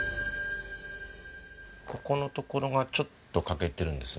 ここのところがちょっと欠けてるんですね。